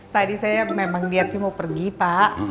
tadi saya memang niatnya mau pergi pak